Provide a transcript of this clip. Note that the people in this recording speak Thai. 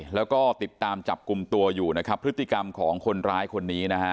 แล้วก็ติดตามจับกลุ่มตัวอยู่นะครับพฤติกรรมของคนร้ายคนนี้นะฮะ